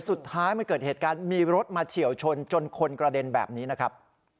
สุดท้ายมันเกิดเหตุการณ์มีรถมาเฉียวชนจนคนกระเด็นแบบนี้นะครับ